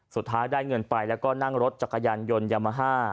สุดท้ายได้เงินไปแล้วก็นั่งรถจักรยานยนต์ยามาฮ่า